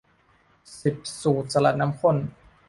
สิบ สูตรสลัดน้ำข้น